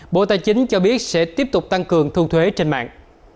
bộ tài chính cho biết sẽ tiếp tục tăng cường thu thuế trên mạng